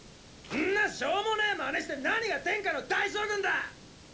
んなしょーもねェマネして何が天下の大将軍だァ！